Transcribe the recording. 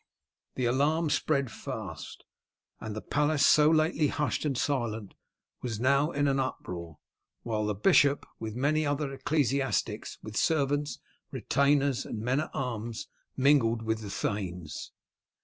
The alarm spread fast, and the palace so lately hushed and silent was now in an uproar, while the bishop with many other ecclesiastics, with servants, retainers, and men at arms, mingled with the thanes.